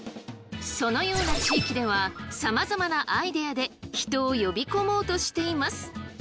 そのような地域ではさまざまなアイデアで人を呼び込もうとしています。